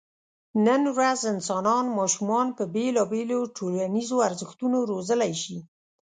نن ورځ انسانان ماشومان په بېلابېلو ټولنیزو ارزښتونو روزلی شي.